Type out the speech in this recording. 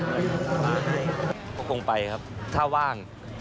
แต่มีมันผมก็คงไปครับถ้าว่าง